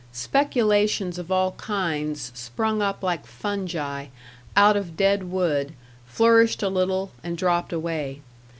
Speculations of all kinds sprung up like fungi, out of dead wood, flourished a little, and dropped away.